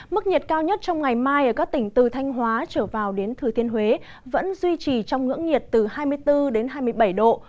mức nhiệt cao nhất trong ngày mai ở các tỉnh từ thanh hóa trở vào đến thừa thiên huế vẫn duy trì trong ngưỡng nhiệt từ hai mươi bốn đến hai mươi bảy độ